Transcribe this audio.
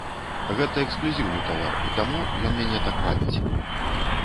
Гэта эксклюзіўны тавар, і таму ён мяне так вабіць.